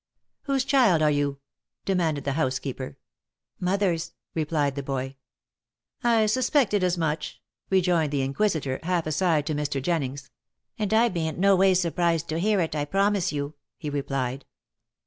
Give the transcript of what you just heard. "Whose child are you?" demanded the housekeeper. "Mo ther's," replied the boy. " I suspected as much," rejoined the inquisitor, half aside to Mr. Jennings. u And I beant no ways surprised to hear it, I promise you," he replied.